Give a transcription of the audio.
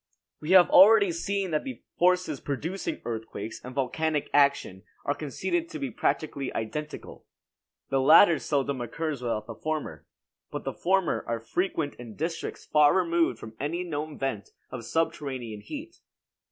We have already seen that the forces producing earthquakes and volcanic action are conceded to be practically identical. The latter seldom occurs without the former; but the former are frequent in districts far removed from any known vent of subterranean heat.